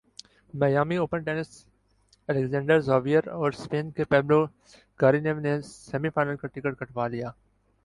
Miami open tennis Alexander Zverev اورسپین کے Pablo Carreno نے سیمی فائنل کا ٹکٹ کٹوا لیا